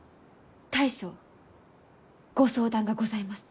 大将ご相談がございます。